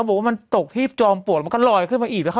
ห้อมันตกที่จอมปวดก็ลอยขึ้นมาอีกแล้ว